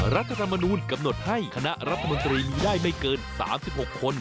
รัฐธรรมนูลกำหนดให้คณะรัฐมนตรีมีได้ไม่เกิน๓๖คน